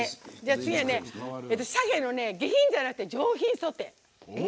次は鮭の下品じゃなくて上品ソテー。